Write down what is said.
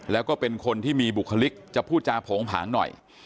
แล้วก็เป็นคนที่มีบุคลิกจะพูดจาโผงผางหน่อย